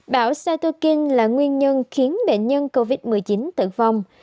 bão satoking là nguyên nhân khiến bệnh nhân covid một mươi chín tử vong